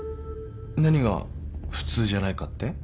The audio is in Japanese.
何が普通じゃないかって？